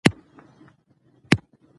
د مېلو پر مهال خلک له یو بل سره مرسته کوي.